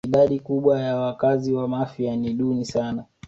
Idadi kubwa ya wakazi wa Mafia ni duni sana